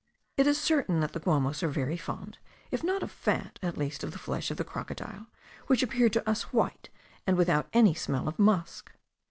It is certain that the Guamos are very fond, if not of the fat, at least of the flesh of the crocodile, which appeared to us white, and without any smell of musk.